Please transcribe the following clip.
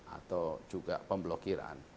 atau juga pemblokiran